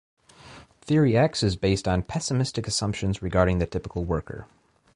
Theory X is based on pessimistic assumptions regarding the typical worker.